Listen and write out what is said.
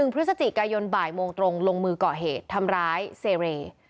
พฤศจิกายนบ่ายโมงตรงลงมือก่อเหตุทำร้ายเซเร